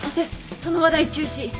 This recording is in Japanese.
その話題中止。